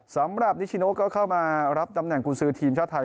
สำหรับนิชิโนก็เข้ามารับตำแหน่งกุญสือทีมชาติไทย